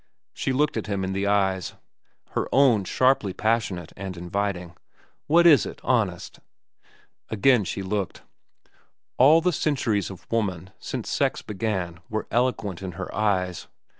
She looked him in the eyes, her own sharply passionate and inviting. "What is it, honest?" Again she looked. All the centuries of woman since sex began were eloquent in her eyes.